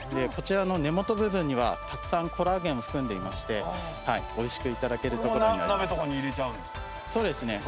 こちらの根元部分にはたくさんコラーゲンを含んでいましておいしくいただけるところになります。